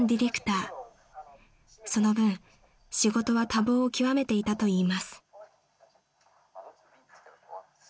［その分仕事は多忙を極めていたといいます］